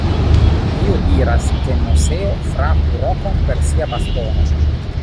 Dio diras, ke Moseo frapu rokon per sia bastono.